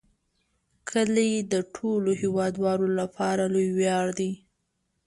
کلي د ټولو هیوادوالو لپاره لوی ویاړ دی.